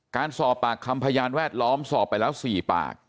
การสอบปากคำพยานแวดล้อมสอบไปแล้ว๔ปาก